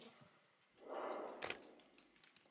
En Ostia se documentan cerámicas selladas a su nombre.